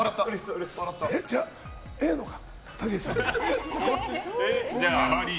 ええのか？